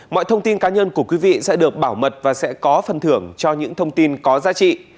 mọi thông tin cá nhân của quý vị sẽ được bảo mật và sẽ có phần thưởng cho những thông tin có giá trị